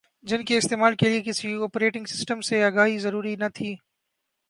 جن کے استعمال کے لئے کسی اوپریٹنگ سسٹم سے آگاہی ضروری نہ تھی